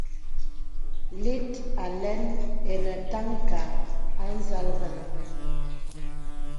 Lít àlə̀n enə tànka à nzàl vənə.